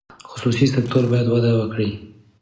خصوصي سکتور باید وده وکړي.